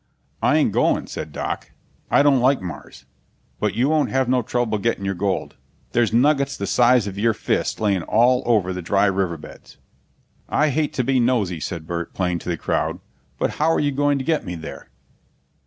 "I ain't going," said Doc. "I don't like Mars. But you won't have no trouble getting your gold. There's nuggets the size of your fist laying all over the dry river beds." "I hate to be nosey," said Burt, playing to the crowd, "but how are you going to get me there?"